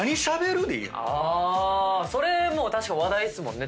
それも話題っすもんね